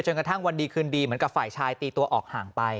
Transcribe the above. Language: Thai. กระทั่งวันดีคืนดีเหมือนกับฝ่ายชายตีตัวออกห่างไป